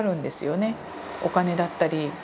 お金だったり。